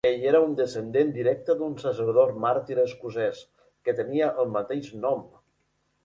Ell era un descendent directe d"un sacerdot màrtir escocès que tenia el mateix nom.